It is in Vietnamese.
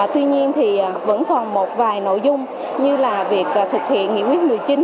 tuy nhiên thì vẫn còn một vài nội dung như là việc thực hiện nghị quyết một mươi chín